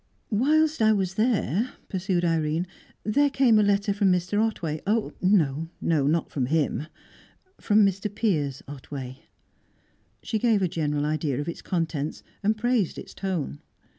"Whilst I was there," pursued Irene, "there came a letter from Mr. Otway. No, no; not from him; from Mr. Piers Otway." She gave a general idea of its contents, and praised its tone.